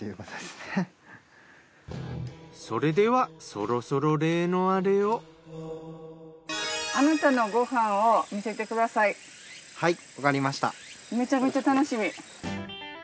それではそろそろめちゃめちゃ楽しみ。